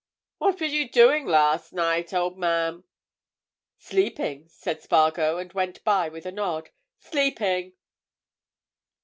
What were you doing last night, old man?" "Sleeping," said Spargo and went by with a nod. "Sleeping!"